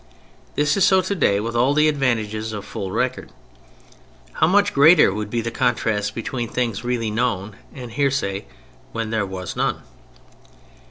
This is so today with all the advantages of full record. How much greater would be the contrasts between things really known and hearsay when there was none!